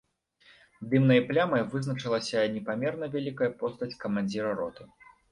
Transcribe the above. Дымнай плямай вызначылася непамерна вялікая постаць камандзіра роты.